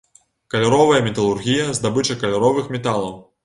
Каляровая металургія, здабыча каляровых металаў.